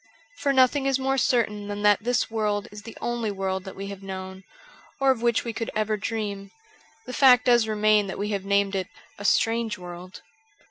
For nothing is more certain than that though this world is the only world that we have known, or of which we could ever dream, the fact does remain that we have named it ' a strange world.'